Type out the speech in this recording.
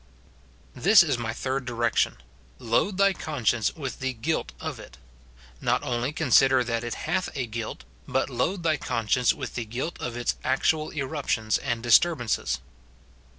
This is my third direction, — Load thy conscience with the guilt of it. Not only consider that it hath a guilt, but load thy conscience with the guilt of its actual eruptions and disturbances.